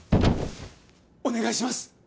お願いします！